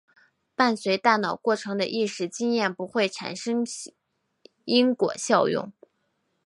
伴随大脑过程的意识经验不会产生因果效用。